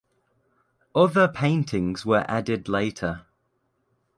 Other paintings were added later.